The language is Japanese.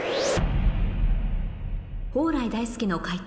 蓬莱大介の解答